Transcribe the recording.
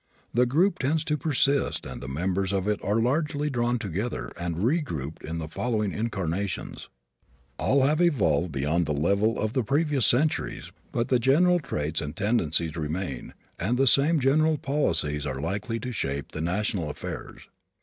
The group tends to persist and the members of it are largely drawn together and regrouped in the following incarnations. All have evolved beyond the level of the previous centuries but the general traits and tendencies remain and the same general policies are likely to shape the national affairs.